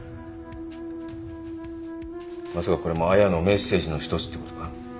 まさかこれも亜矢のメッセージの一つってことか？